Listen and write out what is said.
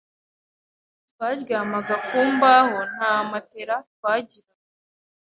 Twaryamaga kumbaho nta matela twagiraga